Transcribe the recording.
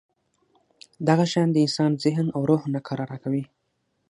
دغه شیان د انسان ذهن او روح ناکراره کوي.